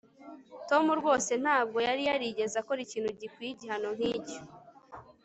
tom rwose ntabwo yari yarigeze akora ikintu gikwiye igihano nkicyo